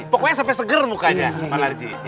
pokoknya sampai seger mukanya pak narji